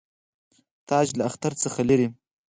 تاج له اختر څخه لري.